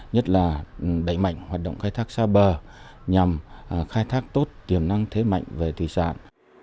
nhất là đẩy mạnh hoạt động khai thác xa bờ nhằm khai thác tốt tiềm năng thế mạnh về thủy sản